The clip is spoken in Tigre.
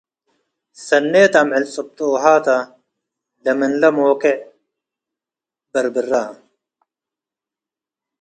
ሰኔት አምዕል ጽብጦሃ ታ - ለምንለ ሞቄሕ ትበርብራ